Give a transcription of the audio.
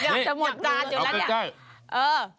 เอาแค่